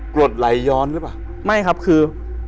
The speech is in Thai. กรดไหลย้อนหรือเปล่า